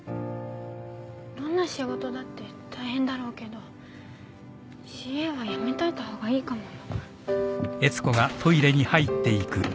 どんな仕事だって大変だろうけどＣＡはやめといた方がいいかもよ。